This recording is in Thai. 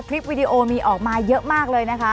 วิดีโอมีออกมาเยอะมากเลยนะคะ